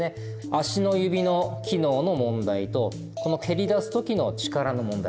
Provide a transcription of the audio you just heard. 足の指の機能の問題とこの蹴り出すときの力の問題。